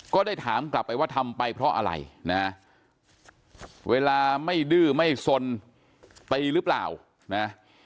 ก็ได้ถามกลับไปว่าทำไปเพราะอะไรนะเวลาไม่ดื้อไม่สนตีหรือเปล่านะ